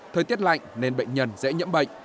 thời tiết lạnh nên bệnh nhân dễ nhiễm bệnh